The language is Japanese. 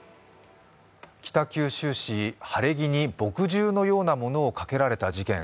北九州市、晴れ着に墨汁のようなものをかけられた事件。